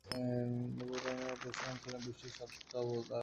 পুরাণে পরশুরাম ছিলেন বিষ্ণুর ষষ্ঠ অবতার।